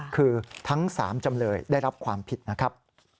คือทั้ง๓จำเลยได้รับความผิดนะครับ